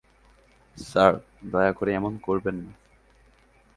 Sir, দয়া করে এমন করবেন না।